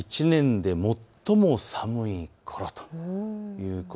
１年で最も寒いころと。